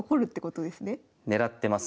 狙ってます。